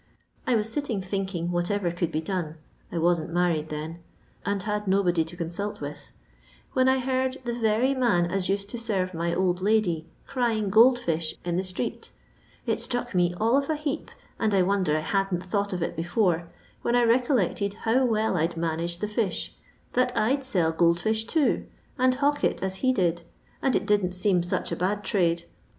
I was sitting thinking whatever could be done — I wasn't married then — and had nobody to consult with ; when I heard the very man aa used to serve my old lady crying gold fish in the street It struck me all of a heap, and I wonder I hadn't thought of it before, when I recollected how well I 'd managed the fish, that I 'd sell gold fish too, and hawk it aa he did, as it didn't seem such a bad trade.